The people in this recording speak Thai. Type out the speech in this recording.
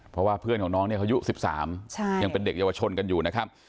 เพราะว่าเพื่อนของน้องเนี่ยเขายุค๑๓ยังเป็นเด็กเยาวชนกันอยู่นะครับ